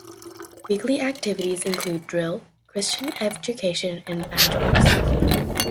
Weekly activities include drill, Christian education and badge courses.